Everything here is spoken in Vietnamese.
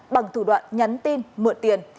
bằng thủ đoạn nhắn tin mượn tiền